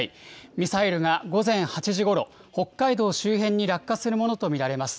ミサイルが午前８時ごろ、北海道周辺に落下するものと見られます。